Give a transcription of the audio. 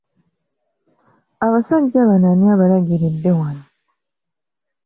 Abasajja bano ani abalagiridde wano?